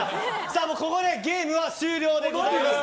ここでゲームは終了でございます。